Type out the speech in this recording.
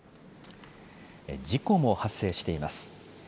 事故も発生しています。